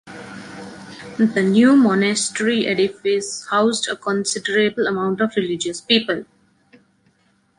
The new monastery edifice housed a considerable amount of religious people.